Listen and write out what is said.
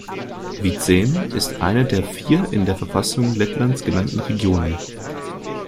Vidzeme ist eine der vier in der Verfassung Lettlands genannten Regionen.